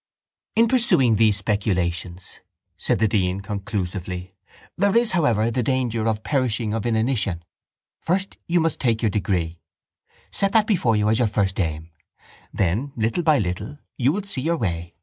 —In pursuing these speculations, said the dean conclusively, there is, however, the danger of perishing of inanition. First you must take your degree. Set that before you as your first aim. Then, little by little, you will see your way.